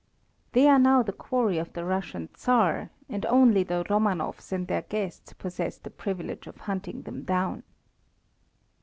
They are now the quarry of the Russian Tsar, and only the Romanovs and their guests possess the privilege of hunting them down.